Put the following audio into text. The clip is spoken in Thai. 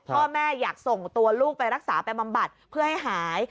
แม่อยากส่งตัวลูกไปรักษาไปบำบัดเพื่อให้หาย